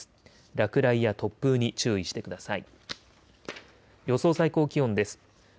落雷や突風に注意してください。